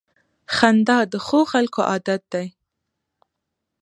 • خندا د ښو خلکو عادت دی.